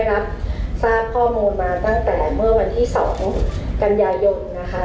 รับทราบข้อมูลมาตั้งแต่เมื่อวันที่๒กันยายนนะคะ